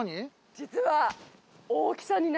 実は。